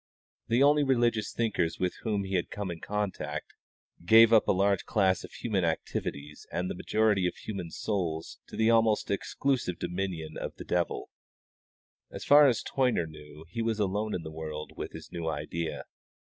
The only religious thinkers with whom he had come in contact gave up a large class of human activities and the majority of human souls to the almost exclusive dominion of the devil. As far as Toyner knew he was alone in the world with his new idea.